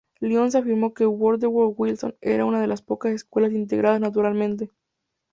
Lyons afirmó que Woodrow Wilson era una de las pocas escuelas "integradas naturalmente".